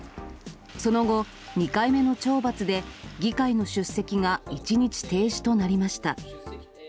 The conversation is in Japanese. その後、２回目の懲罰で、議会の出席が１日停止となりました。